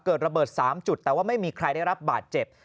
เกิดระเบิด๓จุดแต่ว่าไม่มีใครได้รับบาดเจ็บ